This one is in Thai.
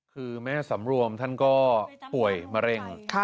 คือแม่สำรวมท่านก็ป่วยมะเร็ง